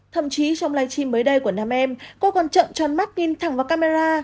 thậm chí trong live stream mới đây của nam em cô còn trận tròn mắt nhìn thẳng vào camera